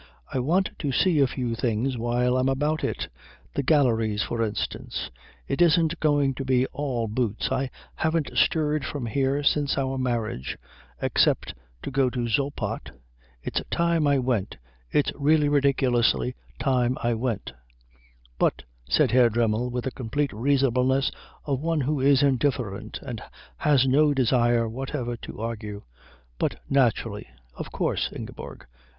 "I want to see a few things while I'm about it the galleries, for instance. It isn't going to be all boots. I haven't stirred from here since our marriage, except to go to Zoppot it's time I went it's really ridiculously time I went " "But," said Herr Dremmel, with the complete reasonableness of one who is indifferent and has no desire whatever to argue, "but naturally. Of course, Ingeborg."